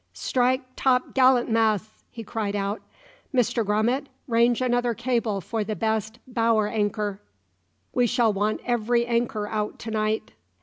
"Strike topgallant masts!" he cried out. "Mr Grummit, range another cable for the best bower anchor. We shall want every anchor out to night."